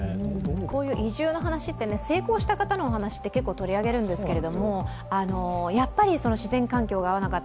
こういう移住の話って、成功した話って結構取り上げるんですけれども、自然環境が合わなかった、